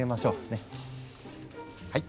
はい。